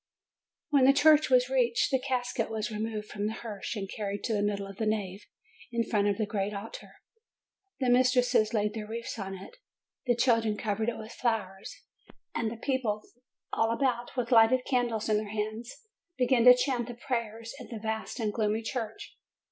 When the church was reached, the casket was re moved from the hearse, and carried to the middle of the nave, in front of the great altar: the mistresses laid their wreaths on it, the children covered it with flowers, and the people all about, with lighted candles in their hands, began to chant the prayers in the vast and gloomy church.